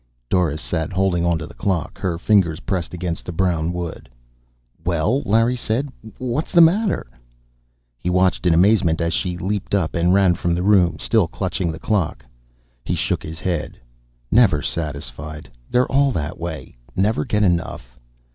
Doris sat holding onto the clock, her fingers pressed against the brown wood. "Well," Larry said, "what's the matter?" He watched in amazement as she leaped up and ran from the room, still clutching the clock. He shook his head. "Never satisfied. They're all that way. Never get enough."